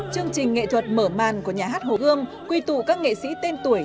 chương trình nghệ thuật mở màn của nhà hát hồ gươm quy tụ các nghệ sĩ tên tuổi